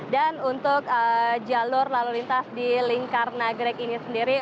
dan untuk jalur lalu lintas di lingkar nagare ini sendiri